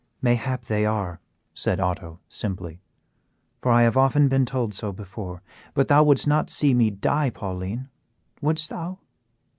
"Mayhap they are," said Otto, simply, "for I have often been told so before. But thou wouldst not see me die, Pauline; wouldst thou?"